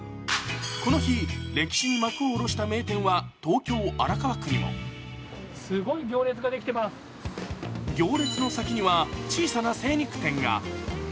この日、歴史に幕を下ろした名店は東京・荒川区にも行列の先には小さな精肉店が。